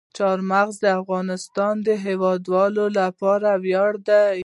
چار مغز د افغانستان د هیوادوالو لپاره ویاړ دی.